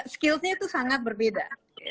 skills nya itu sangat berbeda